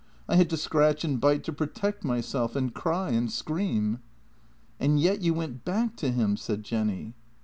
I had to scratch and bite to protect myself — and cry and scream." " And yet you went back to him? " said Jenny.